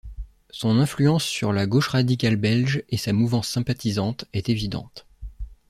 Son influence sur la gauche radicale belge et sa mouvance sympathisante est évidente.